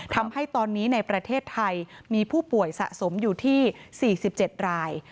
ทำให้ตอนนี้ในประเทศไทยมีผู้ป่วยสะสมอยู่ที่๔๗ราย